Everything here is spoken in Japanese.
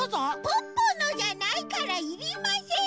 ポッポのじゃないからいりません！